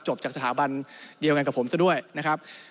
จากสถาบันเดียวกันกับผมซะด้วยนะครับ